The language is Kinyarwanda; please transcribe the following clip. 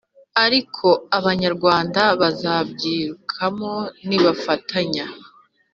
ariko abanyarwanda bazabyikuramo nibafatanya.